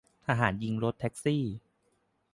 ทหารยิงรถแท็กซี่